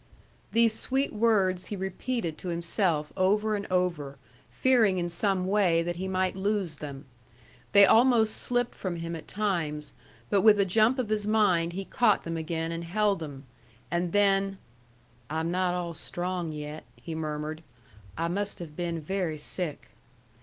These sweet words he repeated to himself over and over, fearing in some way that he might lose them. They almost slipped from him at times; but with a jump of his mind he caught them again and held them, and then "I'm not all strong yet," he murmured. "I must have been very sick."